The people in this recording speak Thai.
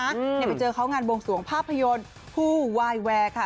ไปเจอเขางานบงส่วงภาพยนตร์ฮู้วายแว่ค่ะ